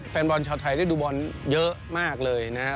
แฟนบอลชาวไทยได้ดูบอลเยอะมากเลยนะครับ